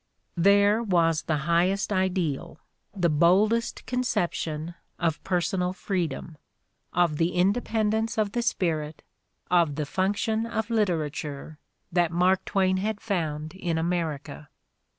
There was the highest ideal, the boldest conception, of personal freedom, of the independence of the spirit, of the func tion of literature that Mark Twain had found in America.